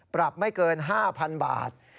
ปรับไม่เกิน๕๐๐๐บาท